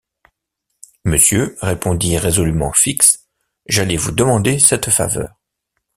Monsieur, répondit résolument Fix, j’allais vous demander cette faveur.